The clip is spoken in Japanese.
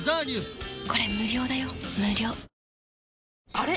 あれ？